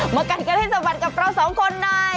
กัดกันให้สะบัดกับเราสองคนใน